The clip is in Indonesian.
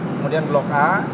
kemudian blok a